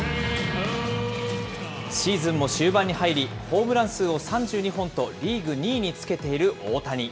シーズンも終盤に入り、ホームラン数を３２本とリーグ２位につけている大谷。